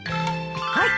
はい。